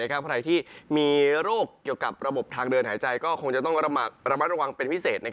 ใครที่มีโรคเกี่ยวกับระบบทางเดินหายใจก็คงจะต้องระมัดระวังเป็นพิเศษ